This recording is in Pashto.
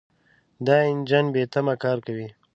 دا انجن بېتمه کار کوي.